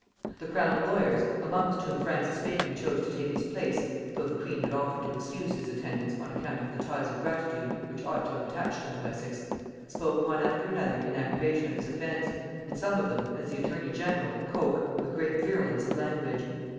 The crown lawyers, amongst whom Francis Bacon chose to take his place, though the queen had offered to excuse his attendance on account of the ties of gratitude which ought to have attached him to Essex, spoke one after another in aggravation of his offence; and some of them, as the attorney general (Coke), with great virulence of language.